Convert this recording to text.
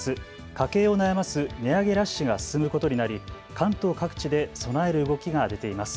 家計を悩ます値上げラッシュが進むことになり関東各地で備える動きが出ています。